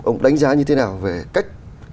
ông đánh giá như thế nào về cách